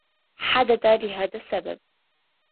حدث هذا لسبب.